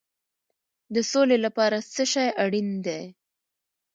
د سولې لپاره څه شی اړین دی؟